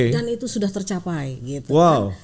dan itu sudah tercapai gitu kan